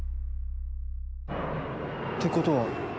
てことは。